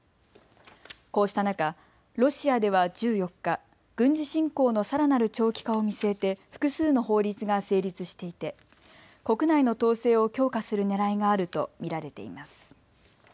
こうした中、ロシアでは１４日、軍事侵攻のさらなる長期化を見据えて複数の法律が成立していて国内の統制を強化するねらいがあると見られています。